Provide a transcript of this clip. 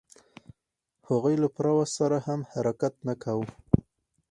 هغوی له پوره وس سره هم حرکت نه کاوه.